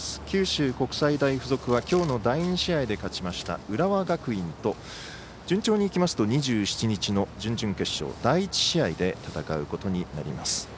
九州国際大付属はきょうの第２試合で勝ちました浦和学院と順調にいきますと２７日の準々決勝第１試合で戦うことになります。